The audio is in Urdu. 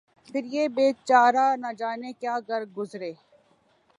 پھر یہ بے چارہ نہ جانے کیا کر گزرے